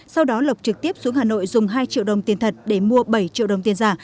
sau đó lộc trực tiếp xuống hà nội dùng hai triệu đồng tiền thật để mua bảy triệu đồng tiền giả